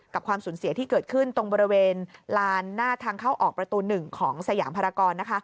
ความสูญเสียที่เกิดขึ้นตรงบริเวณลานหน้าทางเข้าออกประตู๑ของสยามภารกร